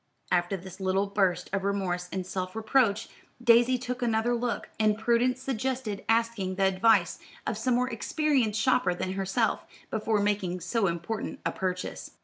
After this little burst of remorse and self reproach, Daisy took another look; and prudence suggested asking the advice of some more experienced shopper than herself, before making so important a purchase.